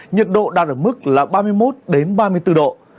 nhiệt độ đạt được mức là ba mươi một đến ba mươi bốn độ